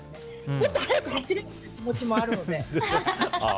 もっと速く走れよっていう気持ちもあるので。